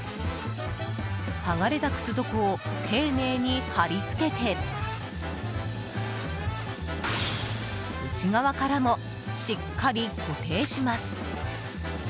剥がれた靴底を丁寧に貼り付けて内側からもしっかり固定します。